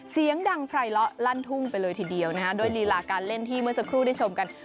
เสียงดังไพรเลาะลั่นทุ่งไปเลยทีเดียวนะฮะด้วยลีลาการเล่นที่เมื่อสักครู่ได้ชมกัน